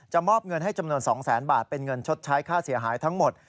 มอบเงินให้จำนวน๒แสนบาทเป็นเงินชดใช้ค่าเสียหายทั้งหมด